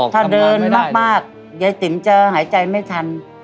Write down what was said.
ถ้าเดินมากยายติ๋มจะหายใจไม่ทัน